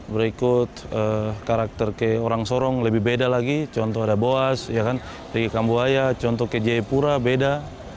berikut karakter ke orang sorong lebih beda lagi contoh ada boas dari kambuaya contoh ke jayapura beda